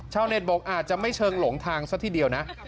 เน็ตบอกอาจจะไม่เชิงหลงทางซะทีเดียวนะ